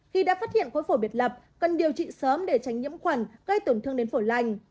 khi đã phát hiện khối phổ biệt lập cần điều trị sớm để tránh nhiễm khuẩn gây tổn thương đến phổi lành